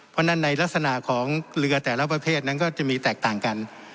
เพราะฉะนั้นในลักษณะของเรือแต่ละประเภทนั้นก็จะมีแตกต่างกัน